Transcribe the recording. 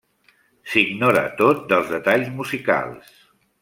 S'ignora tot dels detalls musicals.